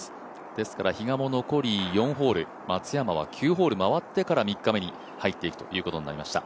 ですから比嘉も残り４ホール松山は９ホール回ってから３日目に入っていくことになりました。